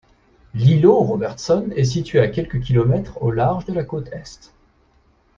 L'îlot Robertson est situé à quelques kilomètres au large de la côte est.